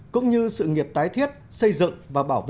cũng như sự nghiệp tái thiết xây dựng và bảo vệ